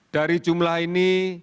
dari jumlah ini